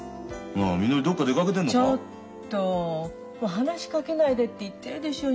話しかけないでって言ってるでしょう